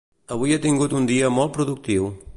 Avui he tingut un dia molt productiu.